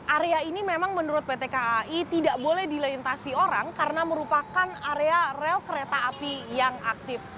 area ini memang menurut pt ka i bisa tidak dilintasi orang karena merupakan area rel kereta api yang aktif